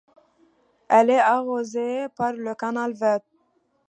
Elle est arrosée par le canal Vets.